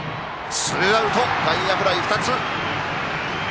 ツーアウト、外野フライ２つ。